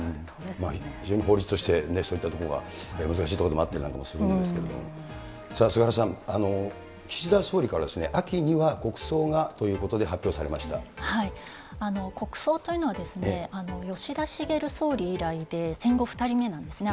非常に法律として、そういったところが難しいところでもあったりなんかするんですけれども、菅原さん、岸田総理から、秋には国葬がということで、国葬というのは、吉田茂総理以来で、戦後２人目なんですね。